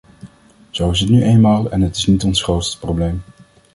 Zo is het nu eenmaal en het is niet ons grootste probleem.